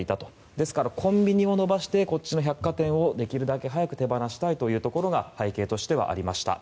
ですから、コンビニを伸ばして百貨店をできるだけ早く手放したいというところが背景としてはありました。